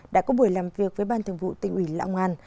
đã có buổi làm việc với ban thường vụ tỉnh ủy lão ngoan